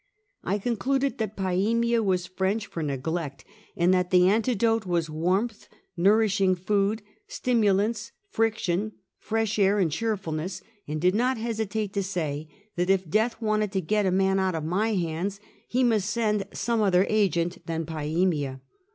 I concluded that "piemia" was French for neglect, and that the antidote was warmth, nourishing food, stimulants, friction, fresh air and cheerfulness, and did not hesitate to say that if death wanted to get a man out of my hands, he must send some other agent than piemia.